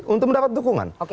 untuk mendapat dukungan